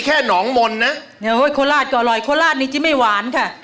แค่หนองมนนะขลาดอาหลายขนาดนี้ควรไม่หวานครับ